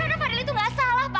karena fadil itu tidak salah papa